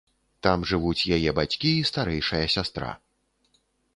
Там жывуць яе бацькі і старэйшая сястра.